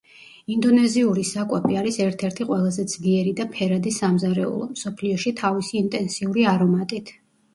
ინდონეზიური საკვები არის ერთ-ერთი ყველაზე ძლიერი და ფერადი სამზარეულო, მსოფლიოში თავისი ინტენსიური არომატით.